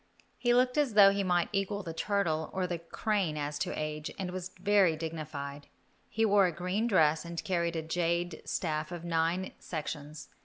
He looked as though he might equal the turtle or the crane as to age, and was very dignified. He wore a green dress and carried a jade staff of nine sections.